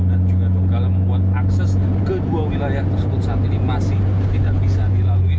dan juga donggala membuat akses ke dua wilayah tersebut saat ini masih tidak bisa dilalui